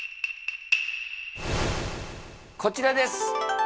こちらです。